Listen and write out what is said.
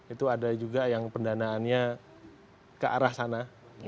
itu ada juga yang pendanaannya ke arah sana